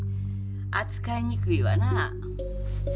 扱いにくいわな。